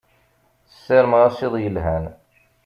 Sarmeɣ-as iḍ yelhan.